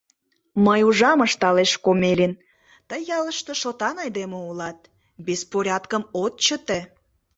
— Мый ужам, — ышталеш Комелин, — тый ялыште шотан айдеме улат, беспорядкым от чыте.